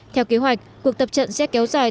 theo kế hoạch cuộc tập trận sẽ kéo dài